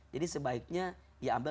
jadi sebaiknya ya ambil